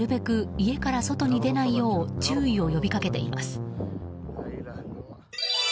家から外に出ないよう注意を呼び掛けています。